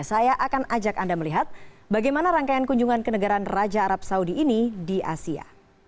saya akan ajak anda melihat bagaimana rangkaian kunjungan ke negaraan raja arab saudi ini di asia